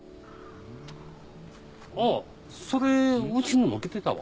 あっそれうちにも来てたわ。